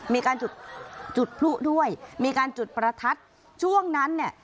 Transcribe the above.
มีการจุดจุดพลุด้วยมีการจุดประทัดช่วงนั้นเนี่ย